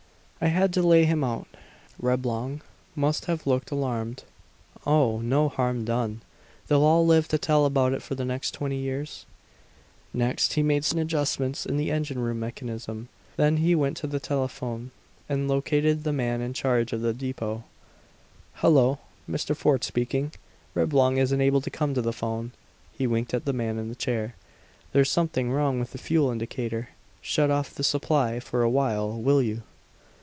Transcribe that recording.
I had to lay him out." Reblong must have looked alarmed. "Oh, no harm done. They'll all live to tell about it for the next twenty years." Next he made certain adjustments in the engine room mechanism. Then he went to the telephone, and located the man in charge of the depot. "Hello Mr. Fort speaking; Reblong isn't able to come to the phone." He winked at the man in the chair. "There's something wrong with the fuel indicator. Shut off the supply for a while, will you?"